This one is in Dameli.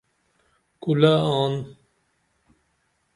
کُلہ آن